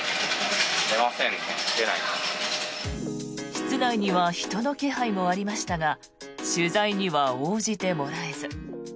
室内には人の気配もありましたが取材には応じてもらえず。